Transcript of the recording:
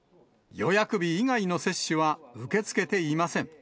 予約日以外の接種は受け付けていません。